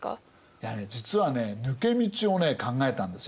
いやね実はね抜け道をね考えたんですよ。